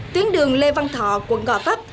tuyến đường lê văn thọ quận gò pháp